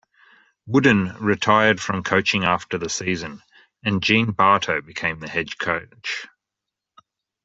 Wooden retired from coaching after the season, and Gene Bartow became the head coach.